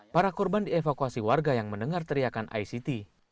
para korban dievakuasi warga yang mendengar teriakan ict